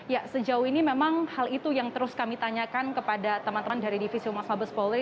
ya sejauh ini memang hal itu yang terus kami tanyakan kepada teman teman dari divisi umas mabes polri